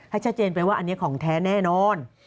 ชัดเจนไปว่าอันนี้ของแท้แน่นอน